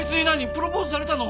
プロポーズされたの？